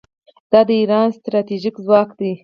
دا د ایران ستراتیژیک ځواک دی.